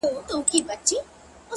اخلاص د اعتماد بنسټ پیاوړی کوي